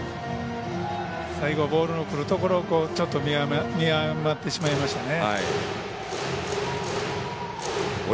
最後、ボールのくるところを見誤ってしまいましたね。